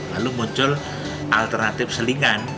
lalu muncul alternatif selingan